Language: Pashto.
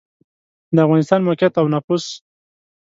د افغانستان موقعیت او نفوس